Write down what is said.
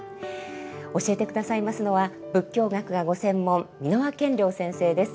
教えて下さいますのは仏教学がご専門蓑輪顕量先生です。